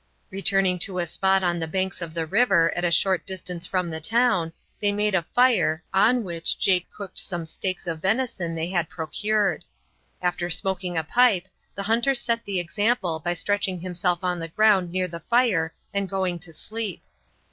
Returning to a spot on the banks of the river at a short distance from the town, they made a fire, on which Jake cooked some steaks of venison they had procured. After smoking a pipe, the hunter set the example by stretching himself on the ground near the fire and going to sleep.